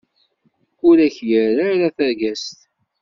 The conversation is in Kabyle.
Ur ak-irra ara tagest.